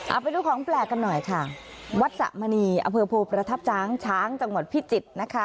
เอาไปดูของแปลกกันหน่อยค่ะวัดสะมณีอำเภอโพประทับช้างช้างจังหวัดพิจิตรนะคะ